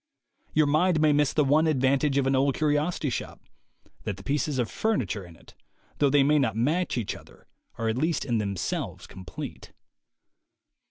Your mind may miss the one advantage of an old curiosity shop — that the pieces of furniture in it, though they may not match each other, are at least in themselves complete.